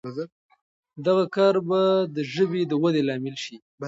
دغه کار به د ژبې د ودې لامل شي.